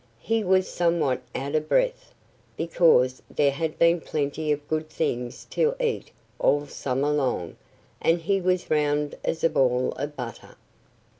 He was somewhat out of breath, because there had been plenty of good things to eat all summer long and he was round as a ball of butter.